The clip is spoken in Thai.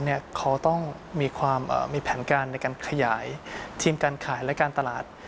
เขาต้องมีความมีแผนการในการขยายทีมการขายและการตลาด